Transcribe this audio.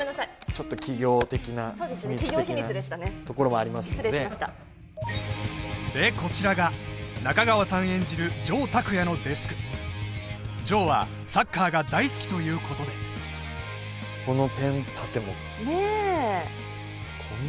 ちょっと企業的な秘密的なところもありますので企業秘密でしたね失礼しましたでこちらが中川さん演じる城拓也のデスク城はサッカーが大好きということでこのペン立てもねえ